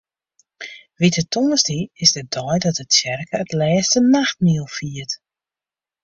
Wite Tongersdei is de dei dat de tsjerke it Lêste Nachtmiel fiert.